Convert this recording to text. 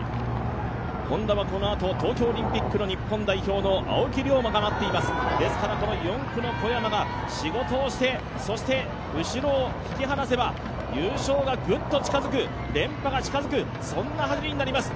Ｈｏｎｄａはこのあと東京オリンピックの日本代表の青木涼真が待っています、ですから４区の小山が仕事をして後ろを引き離せば優勝がぐっと近づく連覇が近づく走りになります。